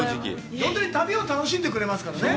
本当に旅を楽しんでくれますからね。